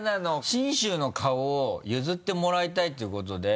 信州の顔を譲ってもらいたいっていうことで。